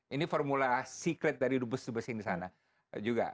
ini formula secret dari dua bus dua bus yang di sana